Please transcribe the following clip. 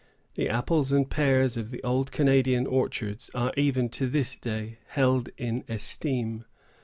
The apples and pears of the old Canadian orchards are even to this day held in esteem.